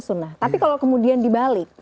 sunnah tapi kalau kemudian dibalik